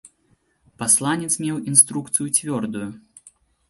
Пасланец меў інструкцыю цвёрдую.